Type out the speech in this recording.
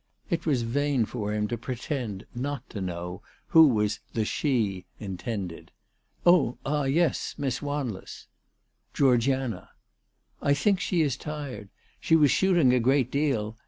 It was vain for him to pretend not to know who was the " she" intended. " Oh, ah, yes ; Miss Wanless." " Georgiana." " I think she is tired. She was shooting a great deal.